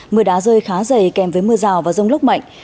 mưa đá rơi khá dày kèm với mưa rào và rông lốc mạnh